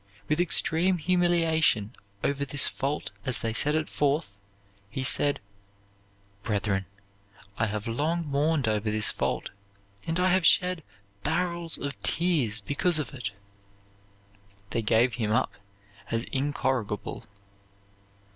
With extreme humiliation over this fault as they set it forth, he said, "Brethren, I have long mourned over this fault, and I have shed barrels of tears because of it." They gave him up as incorrigible.